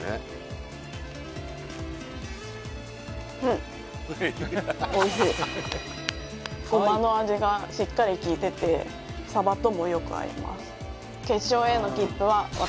うんごまの味がしっかり効いててさばともよく合います